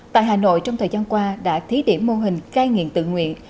tại hà nội trong thời gian qua đã thí điểm mô hình cai nghiện tự nguyện